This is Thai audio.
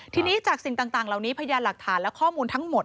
ทีนี้จากสิ่งต่างเหล่านี้พยานหลักฐานและข้อมูลทั้งหมด